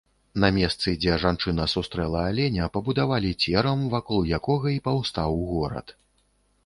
На месцы, дзе жанчына сустрэла аленя, пабудавалі церам вакол якога і паўстаў горад.